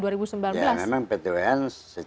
ya memang pt wn secara